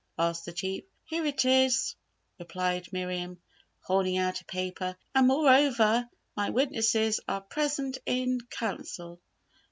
asked the Chief. "Here it is," replied Miriam, holding out a paper. "And moreover, my witnesses are present in Council."